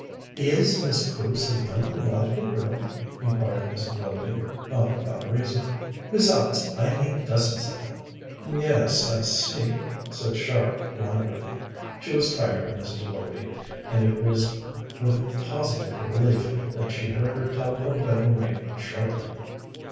"Is Miss Bruce a young and lively girl?" inquired Mrs. Willoughby, not without reason. "Besides, I need dozens of them." "Yes, I see," said Char languidly. She was tired of Mrs. Willoughby, and it was with positive relief that she heard her telephone bell ring sharply.